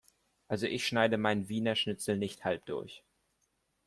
Also ich schneide mein Wiener Schnitzel nicht halb durch.